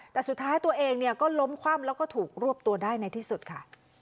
แต่สุดท้ายตัวเองเนี่ยก็ล้มคว่ำแล้วก็ถูกรวบตัวได้ในที่สุดค่ะ